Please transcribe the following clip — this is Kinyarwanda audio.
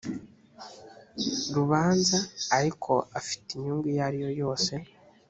rubanza ariko afite inyungu iyo ari yo yose